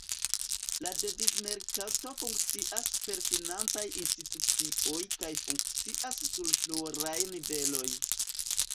La devizmerkato funkcias per financaj institucioj kaj funkcias sur pluraj niveloj.